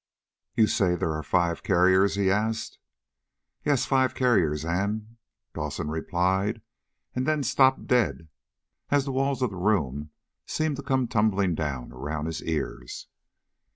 "You say there are five carriers?" he asked. "Yes, five carriers and " Dawson replied, and then stopped dead as the walls of the room seem to come tumbling down around his ears.